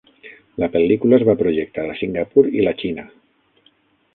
La pel·lícula es va projectar a Singapur i la Xina.